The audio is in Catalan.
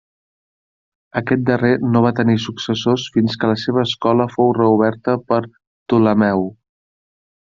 Aquest darrer no va tenir successor fins que la seva escola fou reoberta per Ptolemeu.